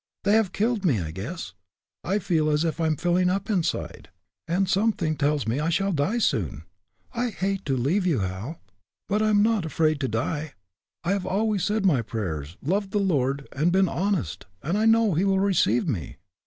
They have killed me, I guess. I feel as if I am filling up inside, and something tells me I shall soon die. I hate to leave you, Hal, but I am not afraid to die. I have always said my prayers, loved the Lord, and been honest, and I know He will receive me."